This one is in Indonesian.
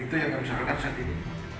itu yang kami sampaikan saat ini